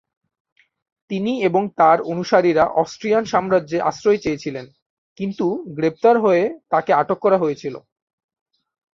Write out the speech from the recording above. তিনি এবং তার অনুসারীরা অস্ট্রিয়ান সাম্রাজ্যে আশ্রয় চেয়েছিলেন, কিন্তু গ্রেপ্তার হয়ে তাকে আটক করা হয়েছিল।